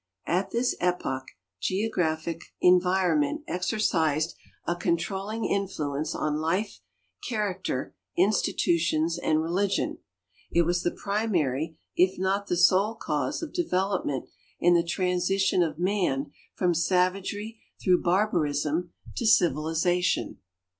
At this epoch geographic 30 GEOGRAPHIC DEVELOPMENT OF CIVILIZATION environment exercised a controlling influence on life, character, insti tutions, and religion; it was the primary if not the sole cause of de velopment in the transition of man from savagery through barbarism to civilization.